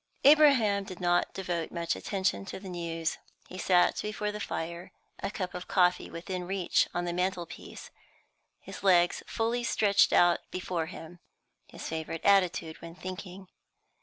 Abraham did not devote much attention to the news. He sat before the fire, a cup of coffee within reach on the mantel piece, his legs fully stretched out before him, his favourite attitude when thinking.